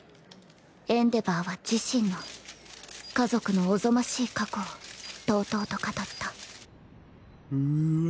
エンデヴァーは自身の家族の悍ましい過去を滔々と語ったうわ